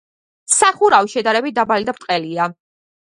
სახურავი შედარებით დაბალი და ბრტყელია.